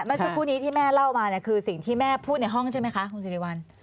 เมื่อสักครู่นี้ที่แม่เล่ามาเนี่ยคือสิ่งที่แม่พูดในห้องใช่ไหมคะคุณสิริวัล